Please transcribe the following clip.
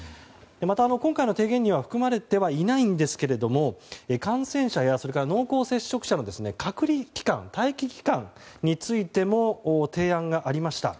また、今回の提言に含まれてはいないんですが感染者や濃厚接触者の隔離期間、待機期間についても提案がありました。